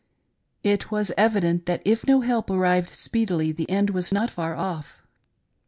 It was evident that if no help arrived speedily, the end was not far off.